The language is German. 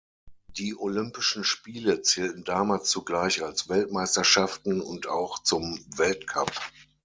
Die Olympischen Spiele zählten damals zugleich als Weltmeisterschaften und auch zum Weltcup.